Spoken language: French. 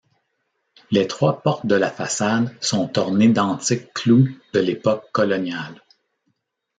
Les trois portes de la façade sont ornées d'antiques clous de l'époque coloniale.